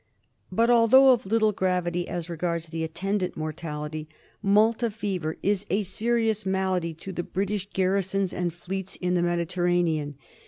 But although of little gravity as regards the attendant mortality, Malta fever is a serious malady to the British •garrisons and fleets in the Mediterranean.